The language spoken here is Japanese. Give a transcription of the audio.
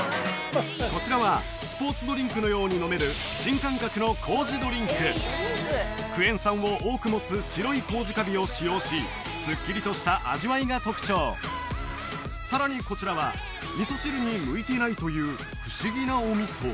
こちらはスポーツドリンクのように飲めるクエン酸を多く持つ白いコウジカビを使用しすっきりとした味わいが特徴さらにこちらは味噌汁に向いていないという不思議なお味噌